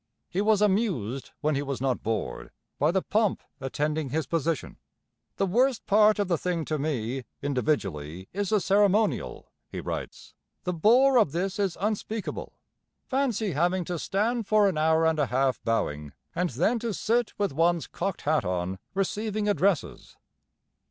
He was amused when he was not bored by the pomp attending his position. 'The worst part of the thing to me, individually, is the ceremonial,' he writes. 'The bore of this is unspeakable. Fancy having to stand for an hour and a half bowing, and then to sit with one's cocked hat on, receiving addresses.'